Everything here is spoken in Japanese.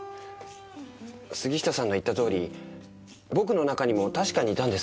杉下さんが言ったとおり僕の中にも確かにいたんです。